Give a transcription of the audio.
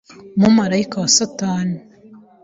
umumarayika wa Satani